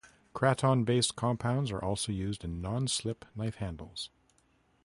Kraton based compounds are also used in non-slip knife handles.